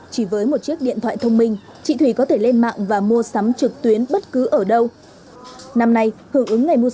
chỉ với một chiếc điện thoại thông minh chị thủy có thể lên mạng và mua sắm trực tuyến bất cứ ở đâu